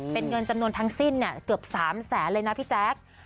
เป็นเงินจำนวนทั้งสิ้นเกือบ๓แสนเลยนะพี่แจ๊ค